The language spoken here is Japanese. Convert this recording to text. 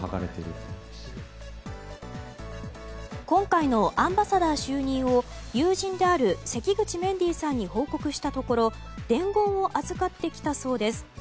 今回のアンバサダー就任を友人である関口メンディーさんに報告したところ伝言を預かってきたそうです。